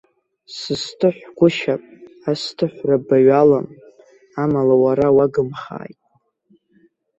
Сысҭыҳә гәышьап, асҭыҳәра баҩ алам, амала уара уагымхааит.